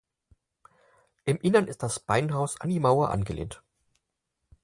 Im Innern ist das Beinhaus an die Mauer angelehnt.